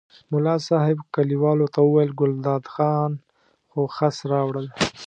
ملا صاحب کلیوالو ته وویل ګلداد خان خو خس راوړل.